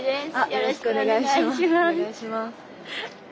よろしくお願いします。